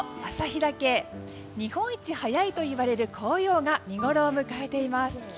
日本一早いといわれる紅葉が見ごろを迎えています。